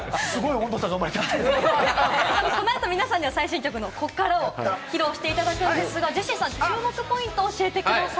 この後、皆さんには最新曲の『こっから』を披露していただくんですが、ジェシーさん、注目ポイントを教えてください。